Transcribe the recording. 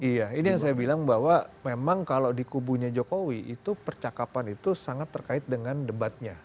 iya ini yang saya bilang bahwa memang kalau di kubunya jokowi itu percakapan itu sangat terkait dengan debatnya